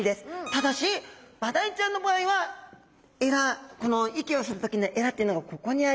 ただしマダイちゃんの場合は鰓この息をする時に鰓っていうのがここにあります。